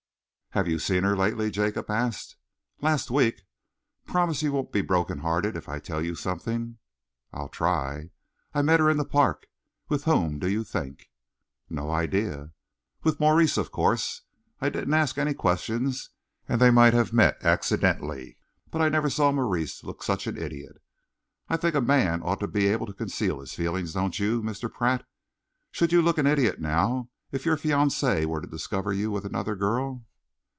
"Have you seen her lately?" Jacob asked. "Last week. Promise you won't be broken hearted if I tell you something?" "I'll try." "I met her in the Park with whom do you think?" "No idea." "With Maurice. Of course, I didn't ask any questions, and they might have met accidentally, but I never saw Maurice look such an idiot. I think a man ought to be able to conceal his feelings, don't you, Mr. Pratt? Should you look an idiot, now, if your fiancée were to discover you with another girl?"